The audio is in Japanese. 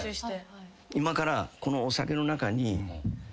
今からこのお酒の中に。